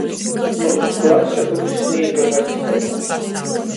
Myusu klase byus Snīga vaļsteibā.